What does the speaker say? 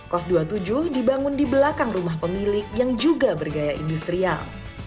kos dua puluh tujuh dibangun di belakang rumah pemilik yang juga bergaya industrial